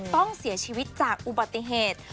ต้องเสียชีวิตจากอุบัติเหตุ